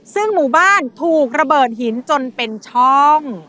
ซึ่งหมู่บ้านถูกระเบิดหินจนเป็นช่อง